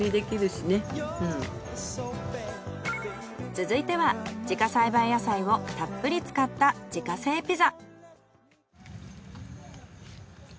続いては自家栽培野菜をたっぷり使った自家製ピザ。